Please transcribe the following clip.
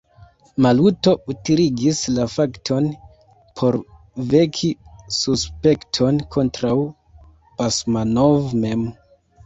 Maluto utiligis la fakton por veki suspekton kontraŭ Basmanov mem.